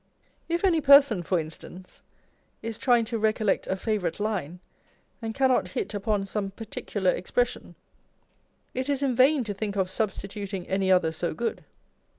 If any person, for instance, is trying to recollect a favourite line, and cannot hit upon some particular ex pression, it is in vain to think of substituting any other so good.